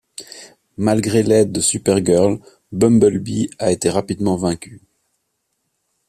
Malgré l'aide de Supergirl, Bumblebee a été rapidement vaincue.